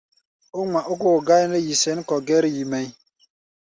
Ó ŋma ókóo gáí nɛ́ yi sɛ̌n kɔ̧ gɛ́r-yi mɛʼí̧.